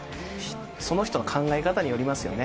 その人の考え方によりますよね。